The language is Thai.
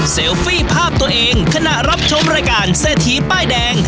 ฟี่ภาพตัวเองขณะรับชมรายการเศรษฐีป้ายแดง